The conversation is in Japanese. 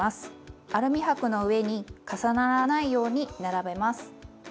アルミ箔の上に重ならないように並べます。